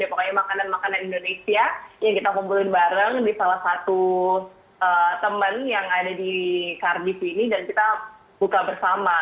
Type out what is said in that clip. pokoknya makanan makanan indonesia yang kita kumpulin bareng di salah satu temen yang ada di kardis ini dan kita buka bersama